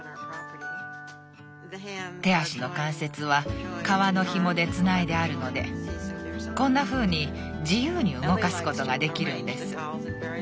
手足の関節は革のひもでつないであるのでこんなふうに自由に動かすことができるんです。